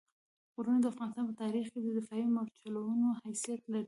غرونه د افغانستان په تاریخ کې د دفاعي مورچلونو حیثیت لري.